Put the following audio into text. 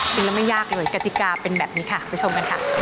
จริงแล้วไม่ยากเลยกติกาเป็นแบบนี้ค่ะไปชมกันค่ะ